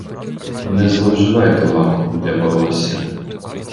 Не зловживайте лаком для волосся.